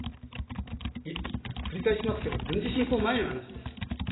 繰り返しますけれども、軍事侵攻前の話です。